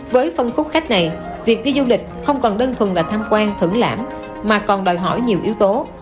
với phân khúc khách này việc đi du lịch không còn đơn thuần là tham quan thưởng lãm mà còn đòi hỏi nhiều yếu tố